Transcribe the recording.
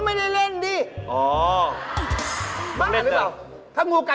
บันตริค่ะ